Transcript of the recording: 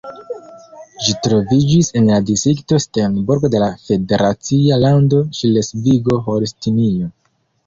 Ĝi troviĝis en la distrikto Steinburg de la federacia lando Ŝlesvigo-Holstinio.